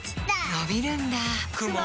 のびるんだ